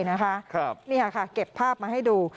นี่ค่ะเก็บภาพมาให้ดู